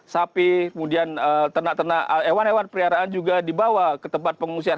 sapi kemudian ternak ternak ewan ewan periaraan juga dibawa ke tempat pengungsian